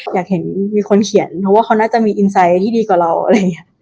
อยากเห็นมีคนเขียนเพราะว่าเขาน่าจะมีอินไซต์ที่ดีกว่าเราอะไรอย่างนี้